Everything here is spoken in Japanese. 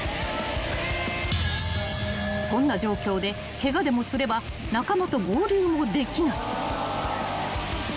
［そんな状況でケガでもすれば仲間と合流もできない］